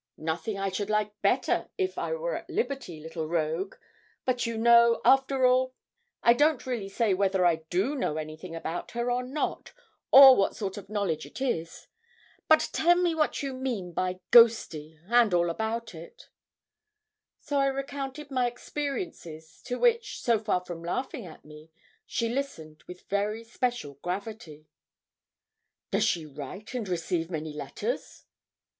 'Nothing I should like better, if I were at liberty, little rogue; but you know, after all, I don't really say whether I do know anything about her or not, or what sort of knowledge it is. But tell me what you mean by ghosty, and all about it.' So I recounted my experiences, to which, so far from laughing at me, she listened with very special gravity. 'Does she write and receive many letters?'